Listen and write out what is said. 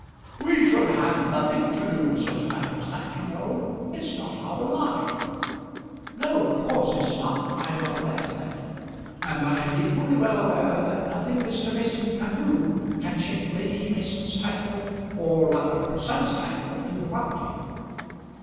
"We should have nothing to do with such a matter as that, you know. It's not our line." "No, of course it is not; I am well aware of that. And I am equally well aware that nothing Mr. Mason can do can shake Lady Mason's title, or rather her son's title, to the property.